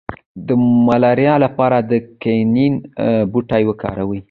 د ملاریا لپاره د کینین بوټی وکاروئ